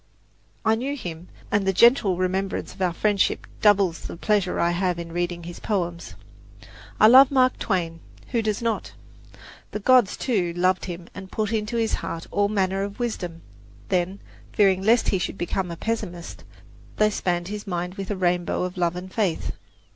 I knew him, and the gentle remembrance of our friendship doubles the pleasure I have in reading his poems. I love Mark Twain who does not? The gods, too, loved him and put into his heart all manner of wisdom; then, fearing lest he should become a pessimist, they spanned his mind with a rainbow of love and faith.